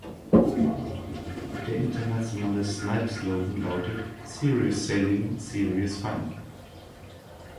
Der internationale Snipe-Slogan lautet: "Serious sailing, Serious fun".